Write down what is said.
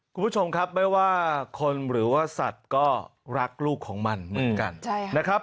คุณผู้ชมครับไม่ว่าคนหรือว่าสัตว์ก็รักลูกของมันเหมือนกันนะครับ